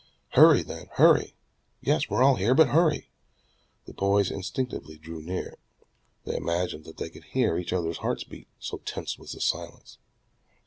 "Hurry then, hurry! Yes, we're all here, but hurry!" The boys instinctively drew near. They imagined that they could hear each other's hearts beat, so tense was the silence.